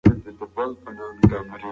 دی وېرېده چې په لاره کې به ناروغه شي.